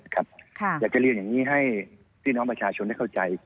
อยากจะเรียนอย่างนี้ให้พี่น้องประชาชนได้เข้าใจ